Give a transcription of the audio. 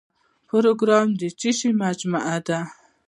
پروګرام د څه شی مجموعه ده؟